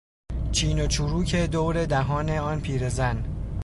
چین و چروک دور دهان آن پیرزن